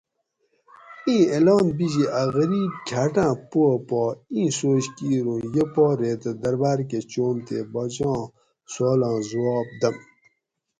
ایں اعلان بیجی ا غریب کھاٹاۤں پواۤ پا ایں سوچ کیر اوں یہ پا ریتہ درباۤر کہ چوم تے باچاں سوالاں زواب دۤم